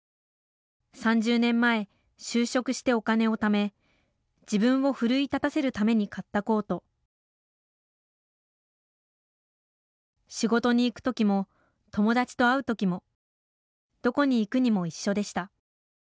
３０年前就職してお金をため自分を奮い立たせるために買ったコート仕事に行く時も友達と会う時もどこに行くにも一緒でした。